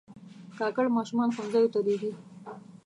کاکړ ماشومان ښوونځیو ته لېږي.